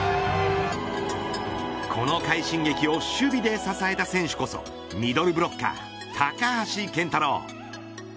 この快進撃を守備で支えた選手こそミドルブロッカー高橋健太郎。